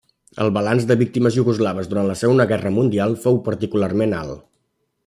El balanç de víctimes iugoslaves durant la Segona Guerra Mundial fou particularment alt.